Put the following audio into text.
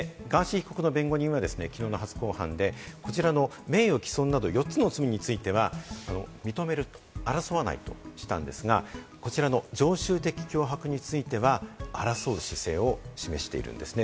ガーシー被告の弁護人はですね、きのうの初公判で、こちらの名誉毀損など４つの罪については認めると、争わないとしたんですが、こちらの常習的脅迫については争う姿勢を示しているんですね。